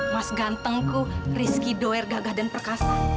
mas gantengku rizky doer gagah dan perkasa